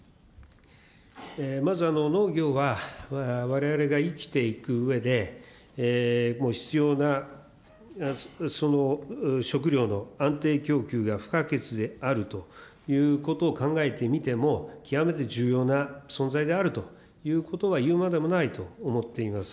まず、農業はわれわれが生きていくうえで、もう必要な、その食料の安定供給が不可欠であるということを考えてみても、極めて重要な存在であるということは言うまでもないと思っています。